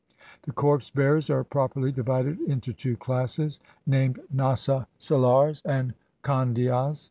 The corpse bearers are properly divided into two classes, named Nasa salars and Khandhias.